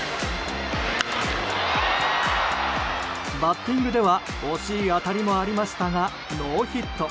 バッティングでは惜しい当たりもありましたがノーヒット。